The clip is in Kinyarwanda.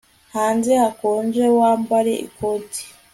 Hanze hakonje Wambare ikote